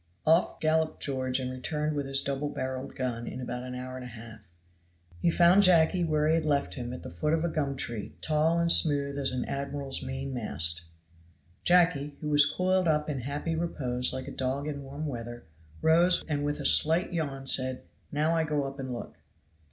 Off galloped George and returned with his double barreled gun in about an hour and a half. He found Jacky where he had left him at the foot of a gumtree tall and smooth as an admiral's main mast. Jacky, who was coiled up in happy repose like a dog in warm weather, rose and with a slight yawn said, "Now I go up and look."